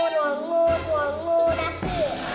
น้องน้องน่ารักเก่งพี่